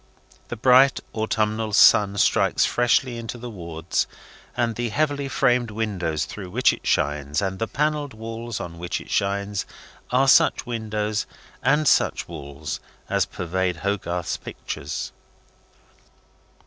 The bright autumnal sun strikes freshly into the wards; and the heavy framed windows through which it shines, and the panelled walls on which it strikes, are such windows and such walls as pervade Hogarth's pictures.